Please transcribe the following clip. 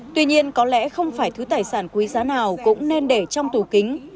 tuy nhiên có lẽ không phải thứ tài sản quý giá nào cũng nên để trong tủ kính